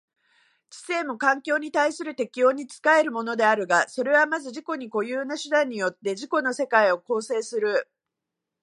知性も環境に対する適応に仕えるものであるが、それはまず自己に固有な手段によって自己の世界を構成する。